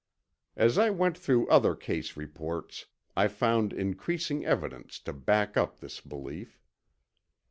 As I went through other case reports, I found increasing evidence to back up this belief.